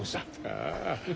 ああ。